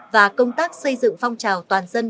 và công tác xây dựng phong trào toàn dân